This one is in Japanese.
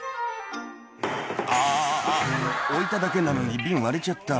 「あ置いただけなのに瓶割れちゃった」